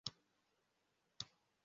Umugabo acuranga gitari yicaye ku byatsi